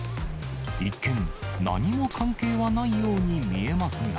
一見、何も関係はないように見えますが。